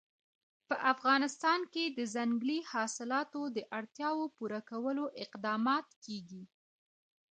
په افغانستان کې د ځنګلي حاصلاتو د اړتیاوو پوره کولو اقدامات کېږي.